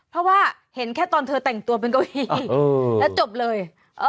เพราะว่าเห็นแค่ตอนเธอแต่งตัวเป็นเก้าอี้แล้วจบเลย